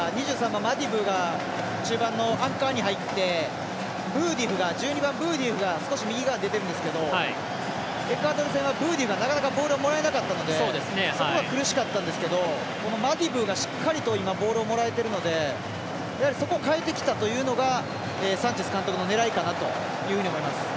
２３番のマディブーが中盤の中盤のアンカーに入って１２番ブーディフが少し右側に出てるんですけどエクアドル戦はブーディフがなかなかボールをもらえなかったのでそこが苦しかったですけどマディブーがしっかりボールをもらえているのでそこを代えてきたというのがサンチェス監督の狙いかなというふうに思います。